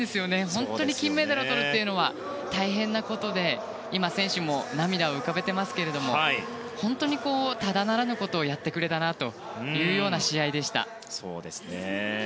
本当に金メダルをとるのは大変なことで今、選手も涙を浮かべていますけども本当に、ただならぬことをやってくれたなというような試合でした。